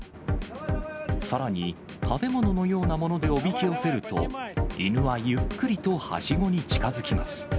さらに、食べ物のようなものでおびき寄せると、犬はゆっくりとはしごに近づきます。